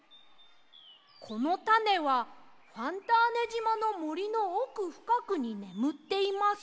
「このタネはファンターネじまのもりのおくふかくにねむっています」。